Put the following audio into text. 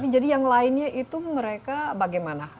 jadi yang lainnya itu mereka bagaimana